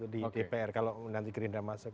di dpr kalau nanti gerindra masuk